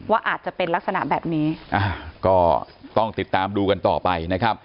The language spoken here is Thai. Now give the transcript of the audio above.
อาจจะเป็นลักษณะแบบนี้อ่าก็ต้องติดตามดูกันต่อไปนะครับ